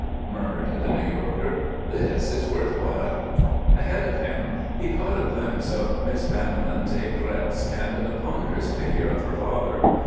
murmured the New Yorker. "This is worth while." Ahead of him, he caught a glimpse of Miss Banniman's aigrettes and the ponderous figure of her father.